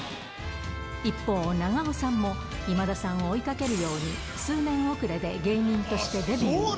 一方、長尾さんも今田さんを追いかけるように数年遅れで芸人としてデビュー。